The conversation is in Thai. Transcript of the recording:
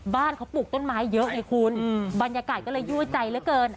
บ้านเขาปลูกต้นไม้เยอะไงคุณบรรยากาศก็เลยยั่วใจเหลือเกิน